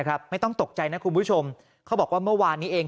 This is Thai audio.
ไม่ต้องตกใจนะคุณผู้ชมเขาบอกว่าเมื่อวานนี้เอง